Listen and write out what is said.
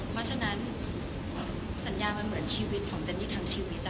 เพราะฉะนั้นสัญญามันเหมือนชีวิตของเจนนี่ทั้งชีวิต